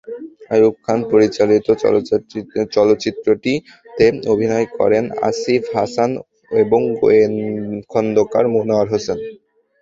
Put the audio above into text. আইয়ুব খান পরিচালিত চলচ্চিত্রটিতে অভিনয় করেন আসিফ হাসান এবং খোন্দকার মনোয়ার হোসেন।